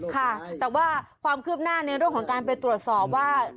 ค่ะแต่ว่าความคืบหน้าในเรื่องของการไปตรวจสอบว่า